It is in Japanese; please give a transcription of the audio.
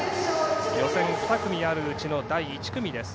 予選２組あるうちの第１組です。